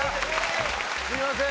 すいません。